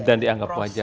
dan dianggap wajar